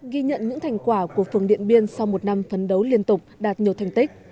ghi nhận những thành quả của phường điện biên sau một năm phấn đấu liên tục đạt nhiều thành tích